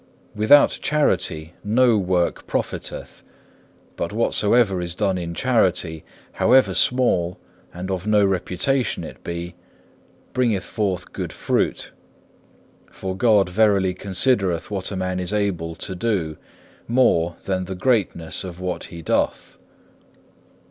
Without charity no work profiteth, but whatsoever is done in charity, however small and of no reputation it be, bringeth forth good fruit; for God verily considereth what a man is able to do, more than the greatness of what he doth.